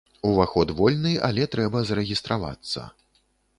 Уваход вольны, але трэба зарэгістравацца.